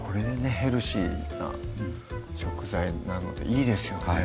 ヘルシーな食材なのでいいですよね